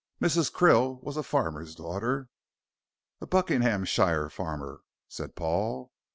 Mrs. Krill was a farmer's daughter." "A Buckinghamshire farmer," said Paul.